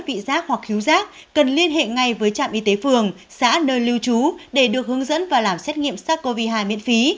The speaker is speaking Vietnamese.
mất vị giác hoặc khiếu giác cần liên hệ ngay với trạm y tế phường xã nơi lưu trú để được hướng dẫn và làm xét nghiệm sát covid một mươi chín miễn phí